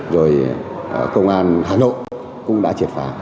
rồi công an hà nội cũng đã triệt phá